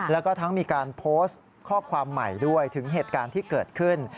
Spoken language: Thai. แล้วก็ทั้งมีการโพสต์ข้อความใหม่ด้วยถึงเหตุการณ์ที่เกิดขึ้น